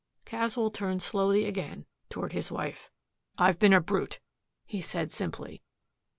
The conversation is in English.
Caswell turned slowly again toward his wife. "I've been a brute," he said simply.